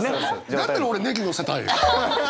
だったら俺ネギのせたい。